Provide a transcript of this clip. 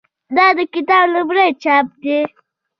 دا د کتاب لومړی چاپ دی.